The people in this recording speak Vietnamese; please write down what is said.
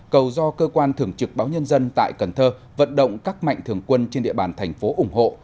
cầu do cơ quan thường trực báo nhân dân tại cần thơ vận động các mạnh thường quân trên địa bàn thành phố ủng hộ